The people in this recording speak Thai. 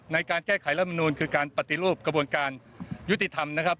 ในการแก้ไขรัฐมนูลคือการปฏิรูปกระบวนการยุติธรรมนะครับ